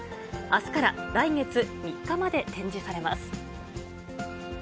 あすから来月３日まで展示されます。